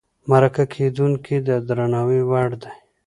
مرکه کېدونکی د درناوي وړ دی.